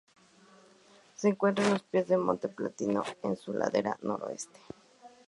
Se encuentra a los pies del Monte Palatino, en su ladera noroeste.